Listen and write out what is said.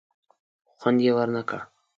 خوند یې ور نه کړ.